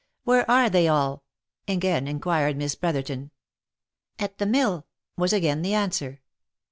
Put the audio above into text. " Where are they all ?" again inquired Miss Brotherton. " At the mill," was again the answer.